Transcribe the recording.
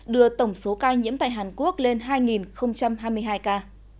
đưa tổng số ca nhiễm tại hàn quốc lên hai hai mươi hai ca